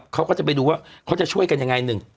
เขาก็จะไปดูว่าเขาจะช่วยกันยังไงหนึ่ง